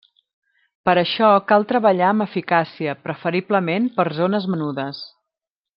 Per això cal treballar amb eficàcia, preferiblement per zones menudes.